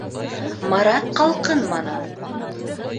Марат ҡалҡынманы.